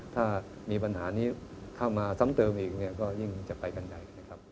ถ้ามีปัญหานี้เข้ามาซ้ำเติมอีกยิ่งจะไปกันใหญ่